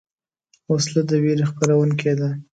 وسله د ویرې خپرونکې ده